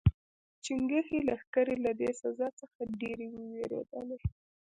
چنګېزي لښکرې له دې سزا څخه ډېرې ووېرېدلې.